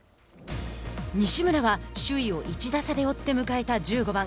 西村は首位を１打差で追って迎えた１５番。